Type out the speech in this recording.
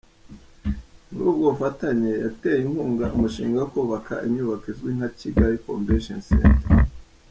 Muri ubwo bufatanye, yateye inkunga umushinga wo kubaka inyubako izwi nka Kigali Convention Centre.